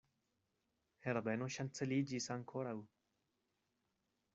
Herbeno ŝanceliĝis ankoraŭ.